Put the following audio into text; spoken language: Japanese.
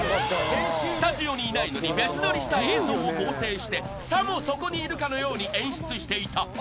［スタジオにいないのに別撮りした映像を合成してさもそこにいるかのように演出していた］